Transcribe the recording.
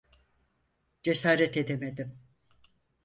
Cesaret edemedim.